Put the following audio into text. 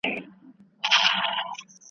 د سپوږمۍ رڼا د شپې په تیارو کې خوند کوي.